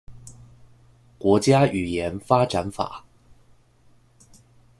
國家語言發展法